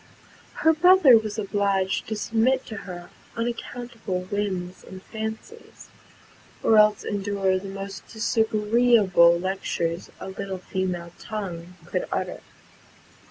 Her brother was obliged to submit to her unaccountable whims and fancies, or else endure the most disagreeable lectures a little female tongue could utter.